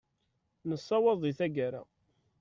Nessawaḍ di taggara.